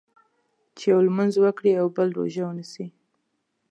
چې یو لمونځ وکړي او بل روژه ونیسي.